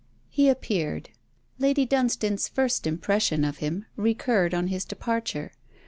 He appeared. Lady Dunstane's first impression of him recurred on his departure.